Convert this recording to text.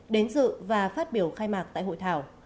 đến dự và phát biểu khai mạc tại hội thảo